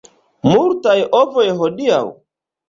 Multaj ovoj hodiaŭ?